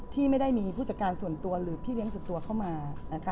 ที่ไม่ได้มีผู้จัดการส่วนตัวหรือพี่เลี้ยงส่วนตัวเข้ามานะคะ